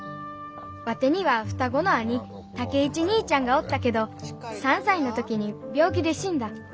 ワテには双子の兄武一兄ちゃんがおったけど３歳の時に病気で死んだ。